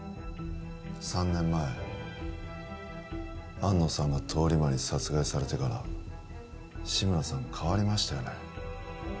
３年前安野さんが通り魔に殺害されてから志村さん変わりましたよね